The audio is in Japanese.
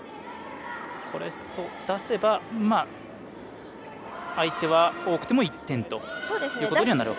出せば相手は多くても１点と。